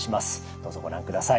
どうぞご覧ください。